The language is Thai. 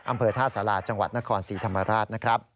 อำเภอท่าสาราจังหวัดนครศรีธรรมราชนะครับ